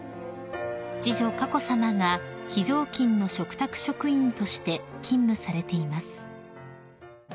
［次女佳子さまが非常勤の嘱託職員として勤務されています］